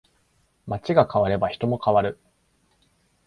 街が変われば人も変わる